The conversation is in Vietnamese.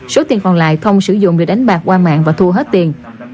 số tiền còn lại phong sử dụng để đánh bạc qua mạng và thua hết tiền